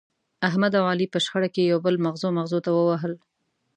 احمد او علي په شخړه کې یو بل مغزو مغزو ته ووهل.